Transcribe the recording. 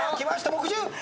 木１０。